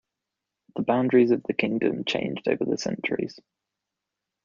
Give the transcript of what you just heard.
The boundaries of the kingdom changed over the centuries.